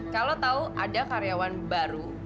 kalau tahu ada karyawan baru